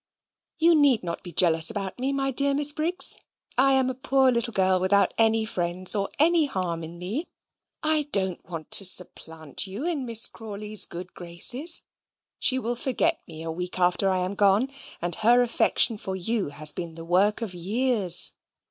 You need not be jealous about me, my dear Miss Briggs. I am a poor little girl without any friends, or any harm in me. I don't want to supplant you in Miss Crawley's good graces. She will forget me a week after I am gone: and her affection for you has been the work of years.